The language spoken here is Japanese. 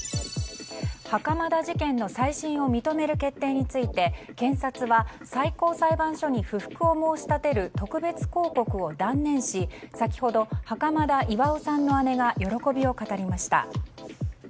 袴田事件の再審を認める決定について検察は最高裁判所に不服を申し立てる特別抗告を断念し先ほど袴田巌さんの姉が喜びを語りました。